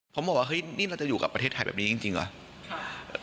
ผมบอกว่าเฮ้ยนี่เราจะอยู่กับประเทศไทยแบบนี้จริงเหรอ